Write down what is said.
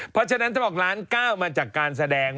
เพราะฉะนั้นถ้าบอกล้าน๙มาจากการแสดง